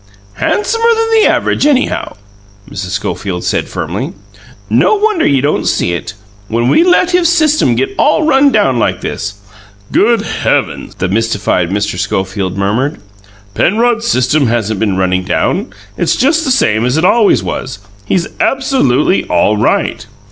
"Handsomer than the average, anyhow," Mrs. Schofield said firmly. "No wonder you don't see it when we've let his system get all run down like this!" "Good heavens!" the mystified Mr. Schofield murmured. "Penrod's system hasn't been running down; it's just the same as it always was. He's absolutely all right."